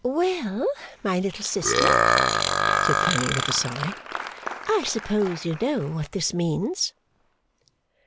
'Well, my little sister,' said Fanny with a sigh, 'I suppose you know what this means?